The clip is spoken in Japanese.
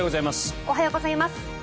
おはようございます。